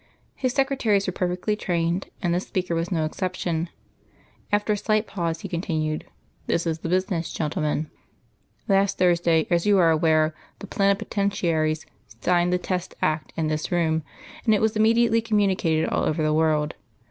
His secretaries were perfectly trained, and this speaker was no exception. After a slight pause, he continued: "This is the business, gentlemen. "Last Thursday, as you are aware, the Plenipotentaries signed the Test Act in this room, and it was immediately communicated all over the world.